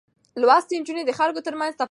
لوستې نجونې د خلکو ترمنځ تفاهم زياتوي.